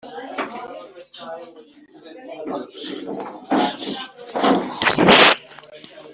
gufatanya mu bikorwa byo kwibuka jenoside yakorewe abatutsi no kwizihiza